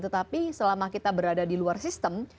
tetapi selama kita berada di luar sistem